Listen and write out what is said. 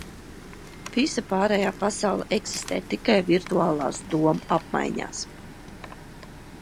Visa pārējā pasaule eksistē tikai virtuālās domu apmaiņās.